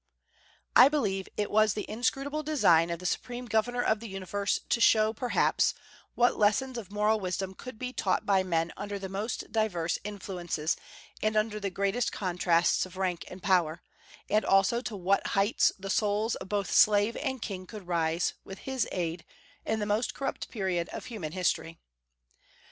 I believe it was the inscrutable design of the Supreme Governor of the universe to show, perhaps, what lessons of moral wisdom could be taught by men under the most diverse influences and under the greatest contrasts of rank and power, and also to what heights the souls of both slave and king could rise, with His aid, in the most corrupt period of human history.